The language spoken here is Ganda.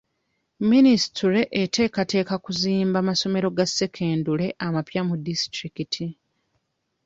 Minisitule eteekateeka kuzimba amasomero ga sekendule amapya mu disitulikiti.